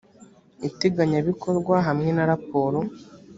iteganyabikorwa hamwe na raporo